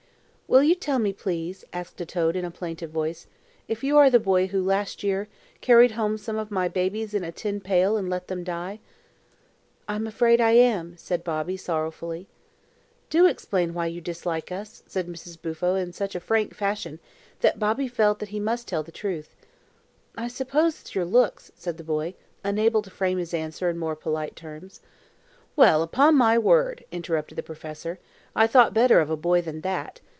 "Will you tell me, please," asked a toad in a plaintive voice, "if you are the boy who, last year, carried home some of my babies in a tin pail and let them die?" "I'm afraid I am," said Bobby, sorrowfully. "Do explain why you dislike us!" said Mrs. Bufo in such a frank fashion that Bobby felt that he must tell the truth. "I suppose it's your looks," said the boy, unable to frame his answer in more polite terms. "Well, upon my word!" interrupted the professor. "I thought better of a boy than that.